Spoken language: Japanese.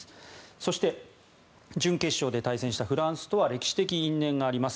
そして準決勝で対戦したフランスとは歴史的因縁があります。